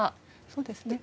そうですね。